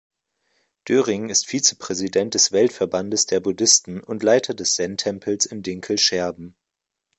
Döring ist Vizepräsident des Weltverbandes der Buddhisten und Leiter des Zen-Tempels in Dinkelscherben.